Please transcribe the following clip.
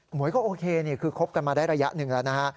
หวยก็โอเคนี่คือคบกันมาได้ระยะหนึ่งแล้วนะฮะ